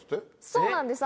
そうなんです。